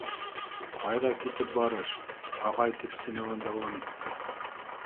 — Ҡайҙа китеп барыш? — ағай төпсөнөүен дауам итте.